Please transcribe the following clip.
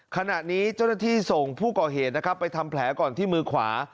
ขณะนี้เจ้าหน้าที่ส่งผู้ก่อเหตุนะครับไปทำแผลก่อนที่มือขวา